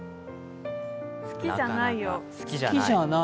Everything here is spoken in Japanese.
好きじゃないを。